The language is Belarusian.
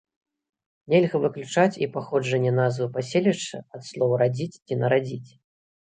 Нельга выключаць і паходжанне назвы паселішча ад слоў радзіць ці нарадзіць.